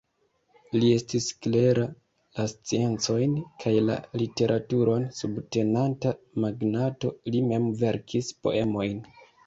Li estis klera, la sciencojn kaj la literaturon subtenanta magnato, li mem verkis poemojn.